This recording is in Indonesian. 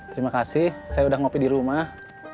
terima kasih saya udah ngopi dirumah